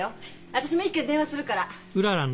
私も１件電話するから。